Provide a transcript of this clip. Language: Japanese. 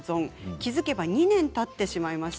気付けば２年たってしまいました。